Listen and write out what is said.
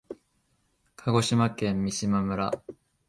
鹿児島県三島村